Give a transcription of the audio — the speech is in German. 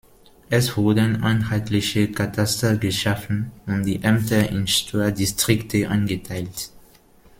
Es wurden einheitliche Kataster geschaffen und die Ämter in Steuerdistrikte eingeteilt.